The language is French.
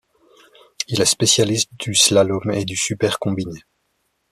Il est spécialiste du slalom et du super-combiné.